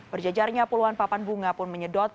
berjajarnya puluhan papan bunga pun menyedot